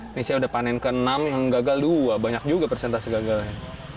ini saya udah panen ke enam yang gagal dua banyak juga persentase gagalnya